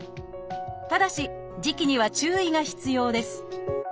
ただし時期には注意が必要です